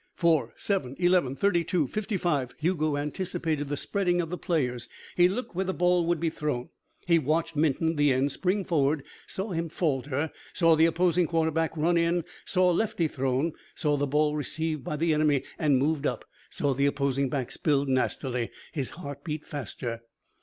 Four, seven, eleven, thirty two, fifty five. Hugo anticipated the spreading of the players. He looked where the ball would be thrown. He watched Minton, the end, spring forward, saw him falter, saw the opposing quarterback run in, saw Lefty thrown, saw the ball received by the enemy and moved up, saw the opposing back spilled nastily. His heart beat faster.